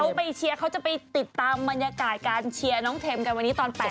เขาไปเชียร์เขาจะไปติดตามบรรยากาศการเชียร์น้องเทมกันวันนี้ตอน๘๐